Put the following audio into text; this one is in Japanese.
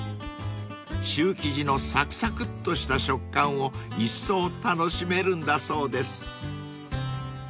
［シュー生地のサクサクっとした食感をいっそう楽しめるんだそうです］